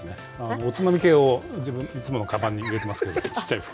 おつまみ系をいつものかばんに入れてますけど、ちっちゃい袋。